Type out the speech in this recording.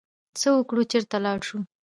څه وکړو، چرته لاړ شو؟